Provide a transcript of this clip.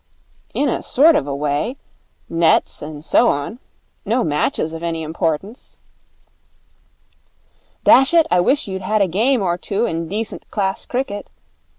'In a sort of a way. Nets and so on. No matches of any importance.' 'Dash it, I wish you'd had a game or two in decent class cricket.